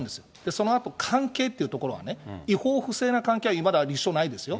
そのあと関係っていうところはね、違法、不正な関係はいまだ立証ないですよ。